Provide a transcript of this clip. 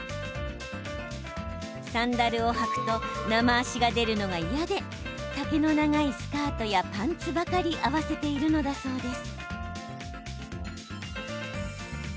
サンダルを履くとナマ足が出るのが嫌で丈の長いスカートやパンツばかり合わせているのだそうです。